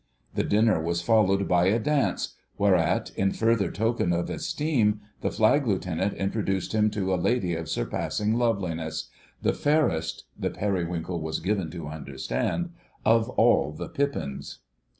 The dinner was followed by a dance, whereat, in further token of esteem, the Flag Lieutenant introduced him to a lady of surpassing loveliness—The Fairest (the Periwinkle was given to understand) of All the Pippins.